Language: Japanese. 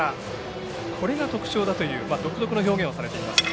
これが特徴だと独特な表現をされています。